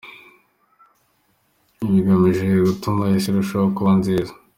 bigamije gutuma Isi irushaho kuba nziza.